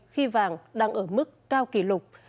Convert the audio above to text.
khi vàng đang ở mức cao kỷ lục